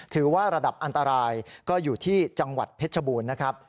ถือว่าระดับอันตรายก็อยู่ที่จังหวัดเพชรบูรณ์นะครับ